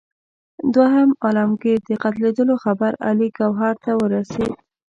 د دوهم عالمګیر د قتلېدلو خبر علي ګوهر ته ورسېد.